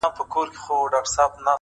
د سړک غاړې ګلان د تیارو منځ کې رنګ ساتي،